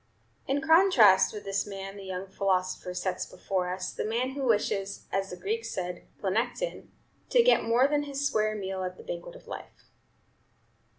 In contrast with this man the young philosopher sets before us the man who wishes, as the Greeks said, pleonektein, to get more than his square meal at the banquet of life.